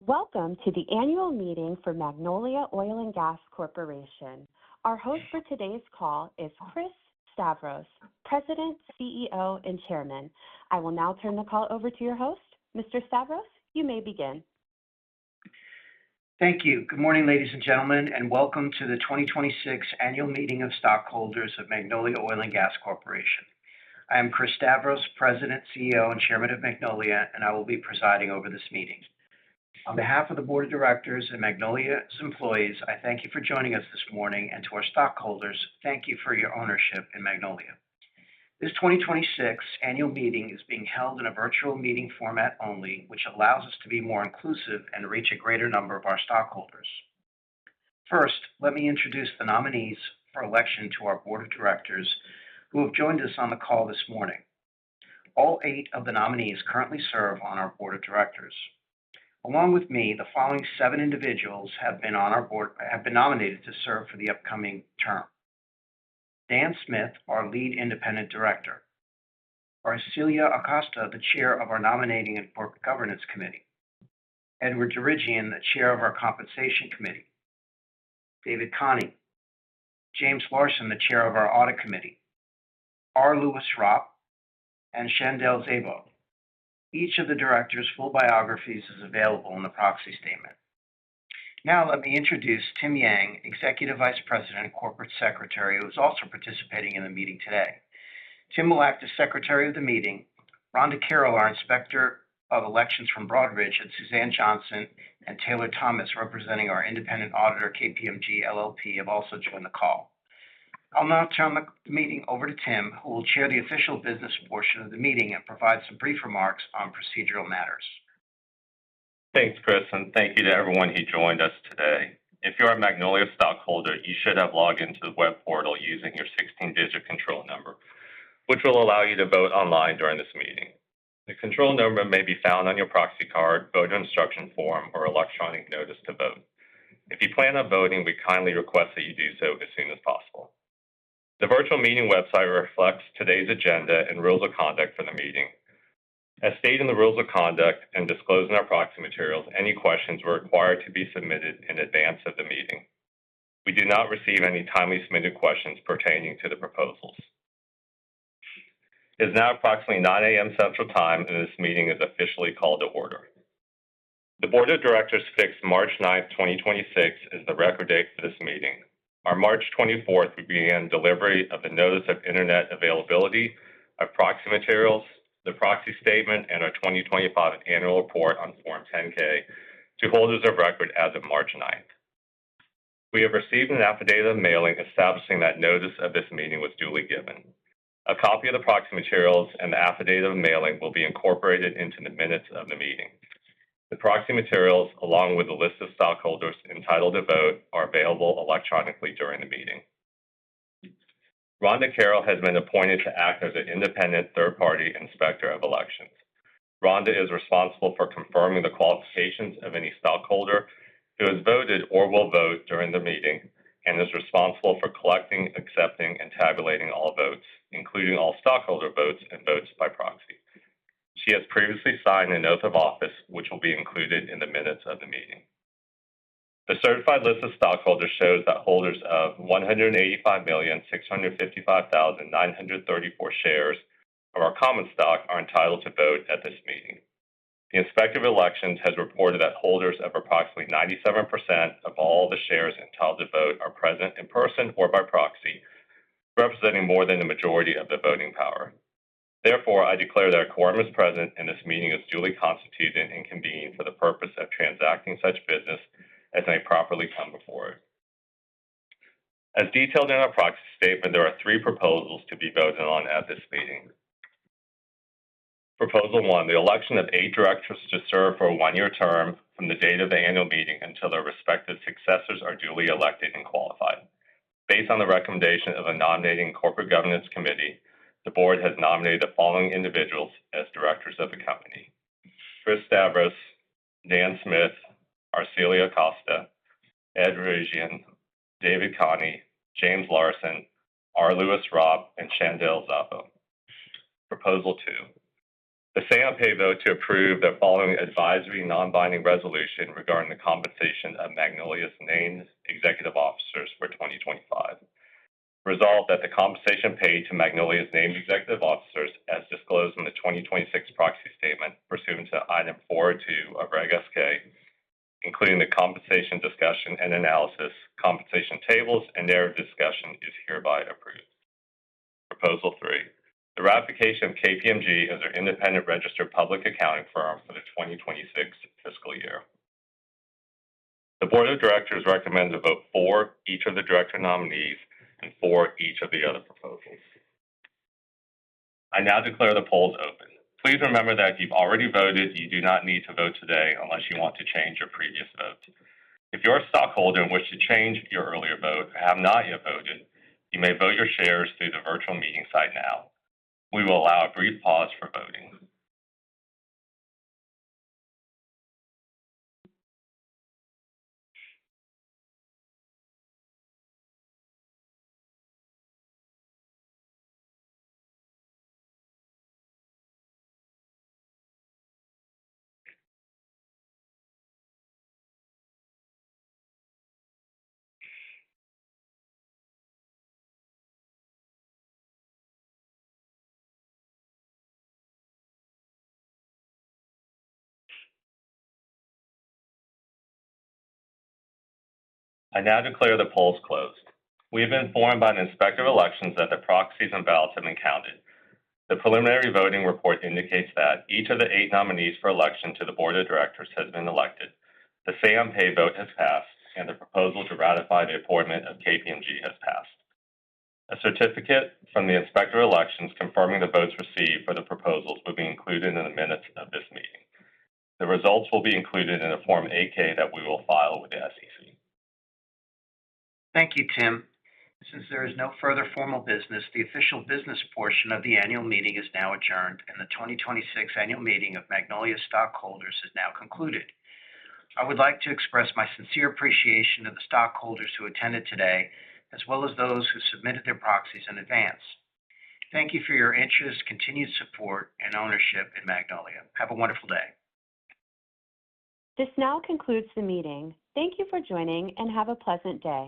Welcome to the annual meeting for Magnolia Oil & Gas Corporation. Our host for today's call is Chris Stavros, President, CEO, and Chairman. I will now turn the call over to your host. Mr. Stavros, you may begin. Thank you. Good morning, ladies and gentlemen, and welcome to the 2026 annual meeting of stockholders of Magnolia Oil & Gas Corporation. I am Chris Stavros, President, CEO, and Chairman of Magnolia. I will be presiding over this meeting. On behalf of the board of directors and Magnolia's employees, I thank you for joining us this morning. To our stockholders, thank you for your ownership in Magnolia. This 2026 annual meeting is being held in a virtual meeting format only, which allows us to be more inclusive and reach a greater number of our stockholders. First, let me introduce the nominees for election to our board of directors who have joined us on the call this morning. All eight of the nominees currently serve on our board of directors. Along with me, the following seven individuals have been nominated to serve for the upcoming term: Dan Smith, our Lead Independent Director. Arcilia Acosta, the Chair of our Nominating and Corporate Governance Committee. Edward Djerejian, the Chair of our Compensation Committee. David Khani. James R. Larson, the Chair of our Audit Committee. R. Lewis Ropp, and Shandell Szabo. Each of the directors' full biographies is available in the proxy statement. Now, let me introduce Tim Yang, Executive Vice President and Corporate Secretary, who is also participating in the meeting today. Tim will act as Secretary of the meeting. Rhonda Carroll, our Inspector of Elections from Broadridge, and Suzanne Johnson and Taylor Thomas, representing our independent auditor, KPMG LLP, have also joined the call. I'll now turn the meeting over to Tim, who will chair the official business portion of the meeting and provide some brief remarks on procedural matters. Thanks, Chris, and thank you to everyone who joined us today. If you're a Magnolia stockholder, you should have logged in to the web portal using your 16-digit control number, which will allow you to vote online during this meeting. The control number may be found on your proxy card, voter instruction form, or electronic notice to vote. If you plan on voting, we kindly request that you do so as soon as possible. The virtual meeting website reflects today's agenda and rules of conduct for the meeting. As stated in the rules of conduct and disclosed in our proxy materials, any questions were required to be submitted in advance of the meeting. We did not receive any timely submitted questions pertaining to the proposals. It is now approximately 9:00 A.M. Central Time, and this meeting is officially called to order. The board of directors fixed March 9, 2026 as the record date for this meeting. On March 24, we began delivery of the notice of Internet availability of proxy materials, the proxy statement, and our 2025 annual report on Form 10-K to holders of record as of March 9. We have received an affidavit of mailing establishing that notice of this meeting was duly given. A copy of the proxy materials and the affidavit of mailing will be incorporated into the minutes of the meeting. The proxy materials, along with a list of stockholders entitled to vote, are available electronically during the meeting. Rhonda Carroll has been appointed to act as an independent third-party Inspector of Elections. Rhonda is responsible for confirming the qualifications of any stockholder who has voted or will vote during the meeting and is responsible for collecting, accepting, and tabulating all votes, including all stockholder votes and votes by proxy. She has previously signed an oath of office, which will be included in the minutes of the meeting. The certified list of stockholders shows that holders of 185,655,934 shares of our common stock are entitled to vote at this meeting. The Inspector of Elections has reported that holders of approximately 97% of all the shares entitled to vote are present in person or by proxy, representing more than the majority of the voting power. Therefore, I declare that a quorum is present and this meeting is duly constituted and convened for the purpose of transacting such business as may properly come before it. As detailed in our proxy statement, there are three proposals to be voted on at this meeting. Proposal 1, the election of eight directors to serve for a one-year term from the date of the annual meeting until their respective successors are duly elected and qualified. Based on the recommendation of a Nominating and Corporate Governance Committee, the board has nominated the following individuals as directors of the company: Chris Stavros, Dan Smith, Arcilia Acosta, Edward Djerejian, David Khani, James Larson, R. Lewis Ropp, and Shandell Szabo. Proposal 2, the say on pay vote to approve the following advisory non-binding resolution regarding the compensation of Magnolia's named executive officers for 2025. Resolved that the compensation paid to Magnolia's named executive officers, as disclosed in the 2026 proxy statement pursuant to Item 42 of Reg S-K, including the compensation discussion and analysis, compensation tables and their discussion is hereby approved. Proposal 3, the ratification of KPMG as our independent registered public accounting firm for the 2026 fiscal year. The Board of Directors recommend to vote for each of the director nominees and for each of the other proposals. I now declare the polls open. Please remember that if you've already voted, you do not need to vote today unless you want to change your previous vote. If you're a stockholder and wish to change your earlier vote or have not yet voted, you may vote your shares through the virtual meeting site now. We will allow a brief pause for voting. I now declare the polls closed. We have been informed by the Inspector of Elections that the proxies and ballots have been counted. The preliminary voting report indicates that each of the eight nominees for election to the board of directors has been elected. The say on pay vote has passed, and the proposal to ratify the appointment of KPMG has passed. A certificate from the Inspector of Elections confirming the votes received for the proposals will be included in the minutes of this meeting. The results will be included in a Form 8-K that we will file with the SEC. Thank you, Tim. Since there is no further formal business, the official business portion of the annual meeting is now adjourned, and the 2026 annual meeting of Magnolia stockholders is now concluded. I would like to express my sincere appreciation to the stockholders who attended today, as well as those who submitted their proxies in advance. Thank you for your interest, continued support, and ownership in Magnolia. Have a wonderful day. This now concludes the meeting. Thank you for joining, and have a pleasant day.